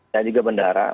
dan juga bendara